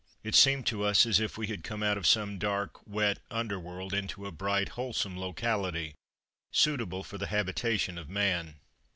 It seemed to us as if we had come out of some dark, wet under world into a bright, wholesome locality, suitable for the habitation of man.